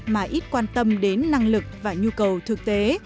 mà ít quan tâm đến năng lực và nhu cầu thực tế